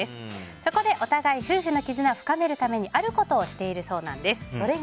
そこでお互い夫婦の絆を深めるためにあることをしているそうなんです。